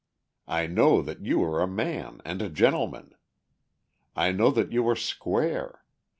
I know that you are a man and a gentleman. I know that you are 'square.'